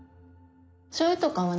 しょうゆとかはね